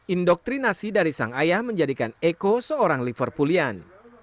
indoktrinasi dari sang ayah menjadikan eko seorang liverpolian